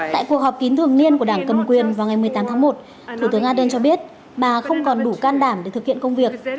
tại cuộc họp kín thường niên của đảng cầm quyền vào ngày một mươi tám tháng một thủ tướng aden cho biết bà không còn đủ can đảm để thực hiện công việc